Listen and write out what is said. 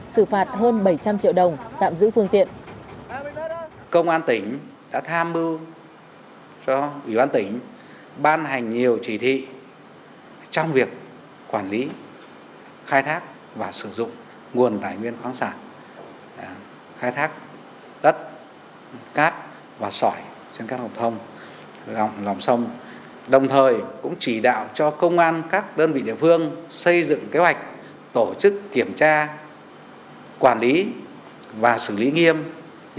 xử phạt hơn bảy trăm linh triệu đồng tạm giữ phương tiện